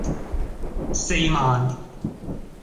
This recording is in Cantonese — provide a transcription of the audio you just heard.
四萬